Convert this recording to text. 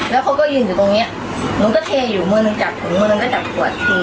แล้วเขาก็ยืนอยู่ตรงเนี้ยหนูก็เทอยู่มือหนึ่งจับถุงมือหนึ่งก็จับขวดที